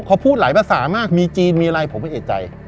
เขาพูดหลายภาษามากมีจีนมีอะไรผมไม่เอกใจ